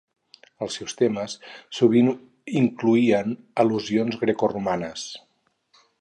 Els seus temes sovint incloïen al·lusions grecoromanes.